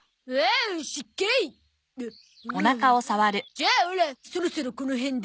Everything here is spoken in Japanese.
じゃあオラそろそろこの辺で。